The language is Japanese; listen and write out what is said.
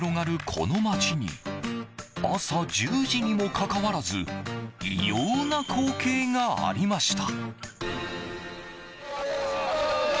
この町に朝１０時にもかかわらず異様な光景がありました。